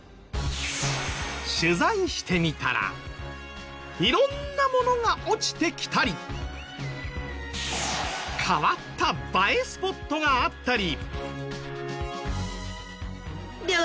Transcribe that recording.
取材してみたら色んなものが落ちてきたり変わった映えスポットがあったり。